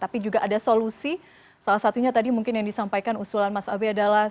tapi juga ada solusi salah satunya tadi mungkin yang disampaikan usulan mas abe adalah